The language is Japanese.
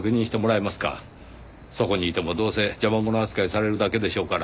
そこにいてもどうせ邪魔者扱いされるだけでしょうから。